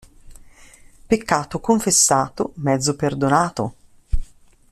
Peccato confessato, mezzo perdonato.